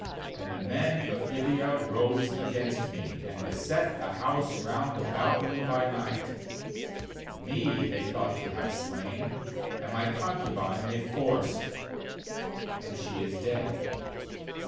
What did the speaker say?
5And the men of Gibeah rose against me, and beset the house round about upon me by night; me they thought to have slain, and t my concubine they forced, and she is dead.